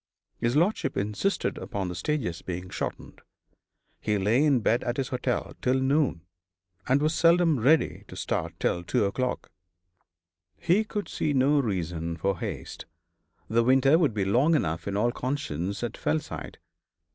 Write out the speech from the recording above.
His lordship insisted upon the stages being shortened. He lay in bed at his hotel till noon, and was seldom ready to start till two o'clock. He could see no reason for haste; the winter would be long enough in all conscience at Fellside.